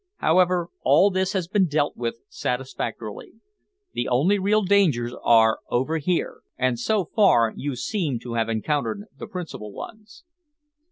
However, all this has been dealt with satisfactorily. The only real dangers are over here, and so far you seem to have encountered the principal ones."